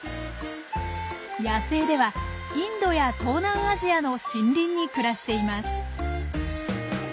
野生ではインドや東南アジアの森林に暮らしています。